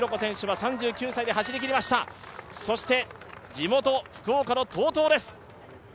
地元・福岡のＴＯＴＯです。